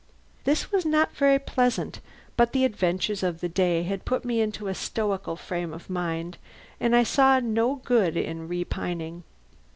This was not very pleasant, but the adventures of the day had put me into a stoical frame of mind, and I saw no good in repining.